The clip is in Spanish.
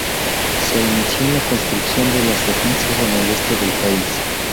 Se inició la construcción de las defensas en el este del país.